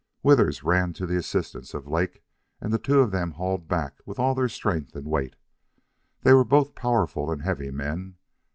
Withers ran to the assistance of Lake, and the two of them hauled back with all their strength and weight. They were both powerful and heavy men.